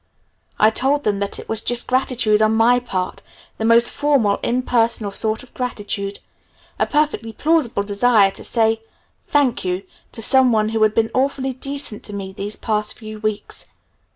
I told them that it was just gratitude on my part, the most formal, impersonal sort of gratitude a perfectly plausible desire to say 'thank you' to some one who had been awfully decent to me these past few weeks.